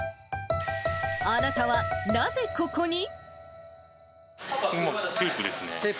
あなたはなぜここに？